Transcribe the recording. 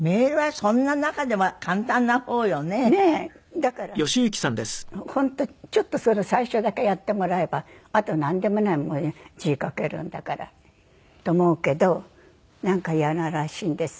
だから本当ちょっと最初だけやってもらえばあとなんでもないもん字書けるんだから。と思うけどなんかイヤらしいんですよ。